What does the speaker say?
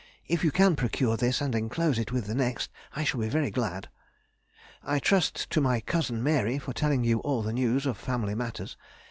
If you can procure this and enclose it with the next, I shall be very glad. I trust to my cousin Mary for telling you all the news of family matters.